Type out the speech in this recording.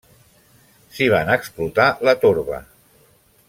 S'hi van explotar la torba.